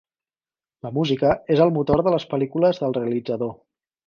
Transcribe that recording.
La música és el motor de les pel·lícules del realitzador.